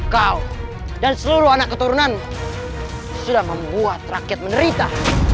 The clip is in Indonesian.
kau dan seluruh anak keturunanmu sudah membuat rakyat menerita